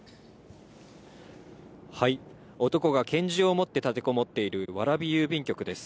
男が拳銃を持って立てこもっている蕨郵便局です。